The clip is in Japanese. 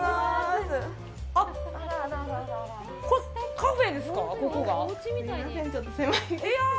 カフェですよね？